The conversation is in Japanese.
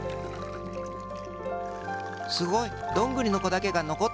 すごい！どんぐりのこだけがのこった。